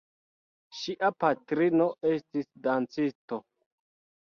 Ŝia patrino estis dancisto.